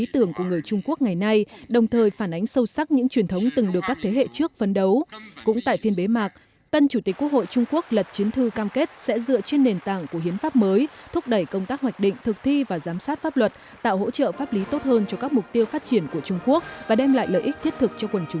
tức quốc hội trung quốc khóa một mươi ba đã bế mạc sau hơn một mươi năm ngày làm việc